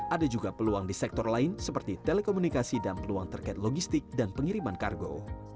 ada juga peluang di sektor lain seperti telekomunikasi dan peluang terkait logistik dan pengiriman kargo